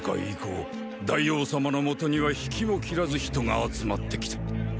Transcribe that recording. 以降大王様の元には引きも切らず人が集まってきた。